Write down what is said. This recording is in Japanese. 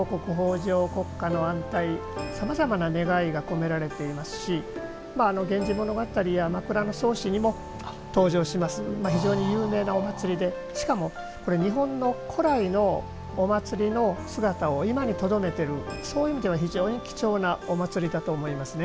じょう、国家の安泰さまざまな願いが込められていますし源氏物語や枕草子にも登場しますし非常に有名なお祭りでしかも、これ、日本の古来のお祭りの姿を今にとどめているそういう意味では貴重なお祭りだと思いますね。